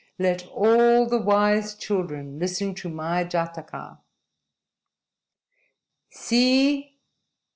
_ LET ALL THE WISE CHILDREN LISTEN TO MY JATAKA! "See!"